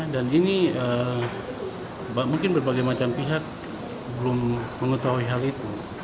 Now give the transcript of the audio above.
dan ini mungkin berbagai macam pihak belum mengetahui hal itu